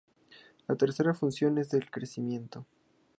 La tercera función es el crecimiento.